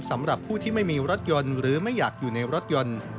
สำหรับผู้ที่ไม่มีรถยนต์หรือไม่อยากอยู่ในรถยนต์